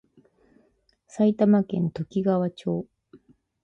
埼玉県ときがわ町